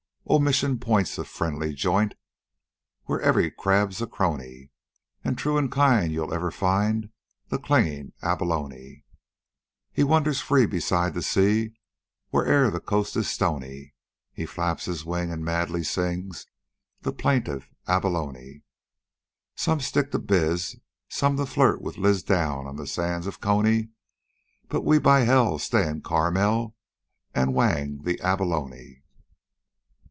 "Oh! Mission Point's a friendly joint Where every crab's a crony, And true and kind you'll ever find The clinging abalone. "He wanders free beside the sea Where 'er the coast is stony; He flaps his wings and madly sings The plaintive abalone. "Some stick to biz, some flirt with Liz Down on the sands of Coney; But we, by hell, stay in Carmel, And whang the abalone."